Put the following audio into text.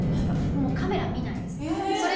もうカメラ見ないです。